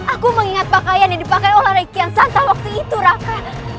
aku mengingat pakaian yang dipakai oleh rai kian santang waktu itu raka